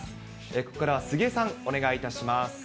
ここからは杉江さん、お願いいたします。